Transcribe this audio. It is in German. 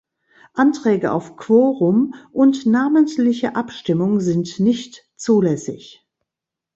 Anträge auf Quorum und namentliche Abstimmung sind nicht zulässig.